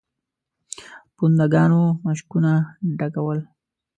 پونده ګانو مشکونه ډکول.